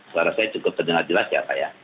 suara saya cukup terdengar jelas ya pak ya